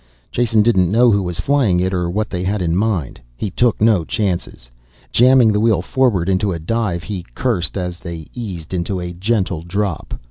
Jason didn't know who was flying it or what they had in mind he took no chances. Jamming the wheel forward into a dive he cursed as they eased into a gentle drop.